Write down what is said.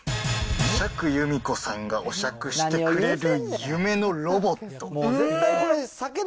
釈由美子さんがお酌してくれる夢のロボット。